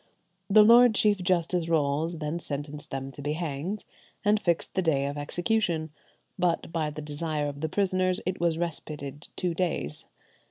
Lord Chief Justice Rolles then sentenced them to be hanged, and fixed the day of execution; but by the desire of the prisoners it was respited two days.